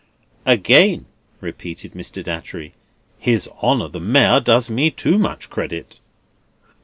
"Again," repeated Mr. Datchery, "His Honour the Mayor does me too much credit."